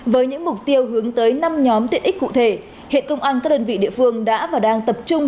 với những mục tiêu hướng tới năm nhóm tiện ích cụ thể hiện công an các đơn vị địa phương đã và đang tập trung